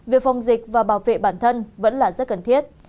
việc phòng dịch và bảo vệ bản thân vẫn là rất cần thiết